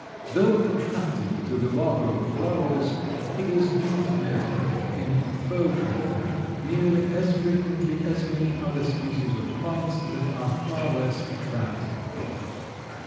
Though attractive to the lover of flowers, it is not met with in folklore nearly as frequently as many other species of plants that are far less attractive.